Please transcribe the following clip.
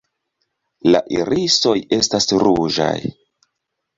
La irisoj estas ruĝaj.